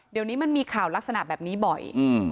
เดี๋ยวนี้มันมีข่าวลักษณะแบบนี้บ่อย